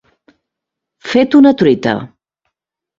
Fet una truita.